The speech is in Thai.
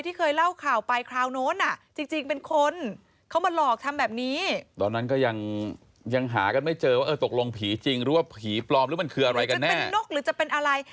หรือมันคืออะไรกันแน่จะเป็นนกหรือจะเป็นอะไร